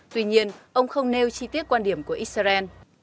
tuy nhiên ông không nêu chi tiết quan điểm của israel